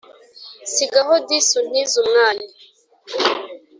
Sigaho disi untize umwanya